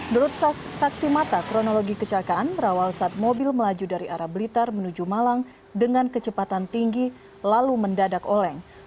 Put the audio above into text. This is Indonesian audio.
menurut saksi mata kronologi kecelakaan berawal saat mobil melaju dari arah blitar menuju malang dengan kecepatan tinggi lalu mendadak oleng